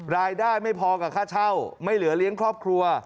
ไม่พอกับค่าเช่าไม่เหลือเลี้ยงครอบครัว